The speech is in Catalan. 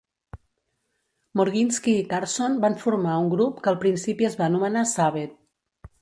Morginsky i Carson van formar un grup que al principi es va anomenar Saved.